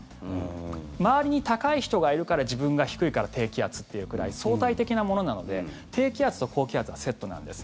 周りに高い人がいるから自分が低いから低気圧っていうくらい相対的なものなので低気圧と高気圧がセットなんです。